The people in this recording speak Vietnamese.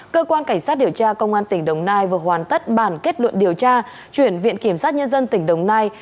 cơ quan cảnh sát điều tra công an tỉnh đồng nai vừa hoàn tất bản kết luận điều tra chuyển viện kiểm sát nhân dân tỉnh đồng nai